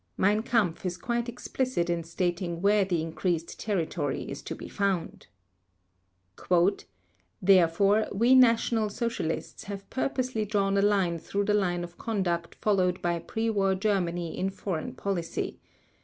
Mein Kampf is quite explicit in stating where the increased territory is to be found: "Therefore we National Socialists have purposely drawn a line through the line of conduct followed by pre war Germany in foreign policy.